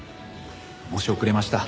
申し遅れました。